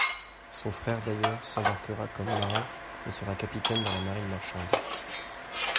Son frère, d'ailleurs, s'embarquera comme marin et sera capitaine dans la marine marchande.